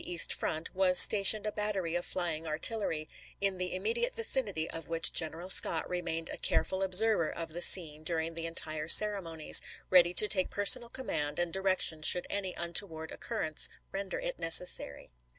east front, was stationed a battery of flying artil lery, in the immediate vicinity of which General Scott remained a careful observer of the scene dur ing the entire ceremonies, ready to take personal command and direction should any untoward oc currence render it necessary.